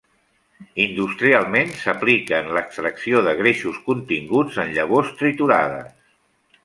Industrialment s’aplica en l’extracció de greixos continguts en llavors triturades.